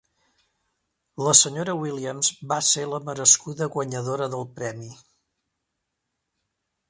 La Sra. Williams va ser la merescuda guanyadora del premi.